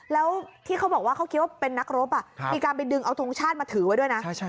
แล้วที่เขาบอกว่าเขาคิดว่าเป็นนักรบมีการไปดึงเอาทงชาติมาถือไว้ด้วยนะ